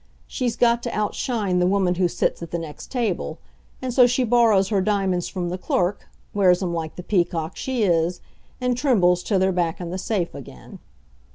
She's got to outshine the woman who sits at the next table, and so she borrows her diamonds from the clerk, wears 'em like the peacock she is, and trembles till they're back in the safe again.